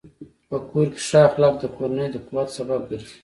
په کور کې ښه اخلاق د کورنۍ د قوت سبب ګرځي.